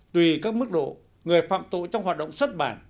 tùy các mức độ người phạm tội trong hoạt động xuất bản